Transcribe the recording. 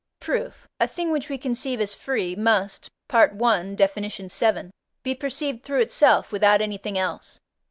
Proof. A thing which we conceive as free must (I. Def. vii.) be perceived through itself without anything else.